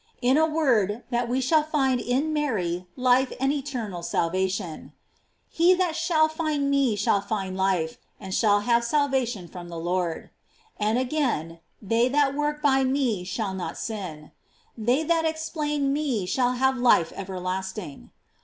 "f In a word, that we shall find in Mary life and eternal sal vation: "He that shall find me shall find life, and shall have salvation from the Lord."J And again: "They that work by me shall not sin. They that explain me shall have life everlasting."